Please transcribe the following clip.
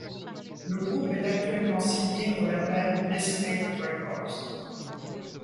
Le groupe est actuellement signé au label Listenable Records.